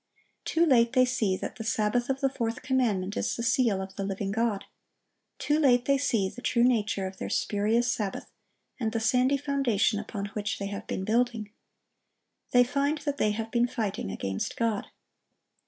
Too late they see that the Sabbath of the fourth commandment is the seal of the living God. Too late they see the true nature of their spurious sabbath, and the sandy foundation upon which they have been building. They find that they have been fighting against God.